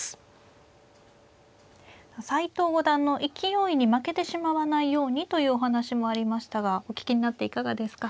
斎藤五段の勢いに負けてしまわないようにというお話もありましたがお聞きになっていかがですか。